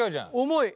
重い。